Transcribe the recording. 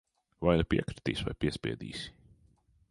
Vai nu piekritīs, vai piespiedīsi.